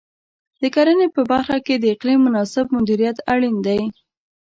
د کرنې په برخه کې د اقلیم مناسب مدیریت اړین دی.